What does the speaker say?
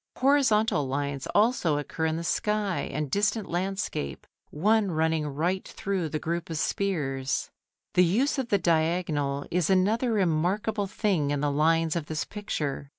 Horizontal lines also occur in the sky and distant landscape, one running right through the group of spears. The use of the diagonal is another remarkable thing in the lines of this picture.